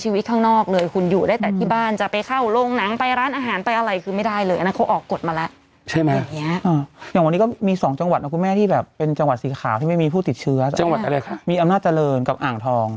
ชีวิตข้างนอกเลยคุณอยู่ได้แต่ที่บ้านจะไปเข้าโรงหนังไปร้านอาหารไปอะไรคือไม่ได้เลยนะเขาออกกฎมาแล้วใช่มั้ยอย่างวันนี้ก็มีสองจังหวัดแล้วคุณแม่ที่แบบเป็นจังหวัดสีขาวที่ไม่มีผู้ติดเชื้อจังหวัดอะไรค่ะมีอำนาจเจริญกับอ่างทอง